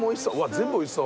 全部おいしそう。